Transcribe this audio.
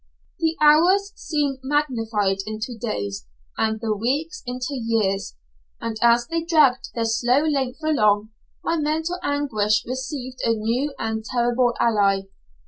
The hours seemed magnified into days, and the weeks into years; and, as they dragged their slow length along, my mental anguish received a new and terrible ally.